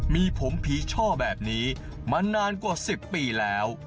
มีผมผีช่อแบบนี้มานานกว่า๑๐ปีแล้ว